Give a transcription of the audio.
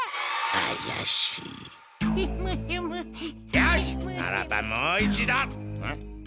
よしならばもう一度ん？